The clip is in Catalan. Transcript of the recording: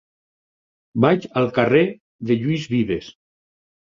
Vaig al carrer de Lluís Vives.